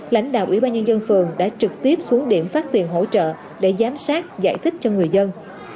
lãnh đạo ủy ban nhân dân phường đã trực tiếp xuống điểm phát tiền hỗ trợ để giám sát giải thích cho người dân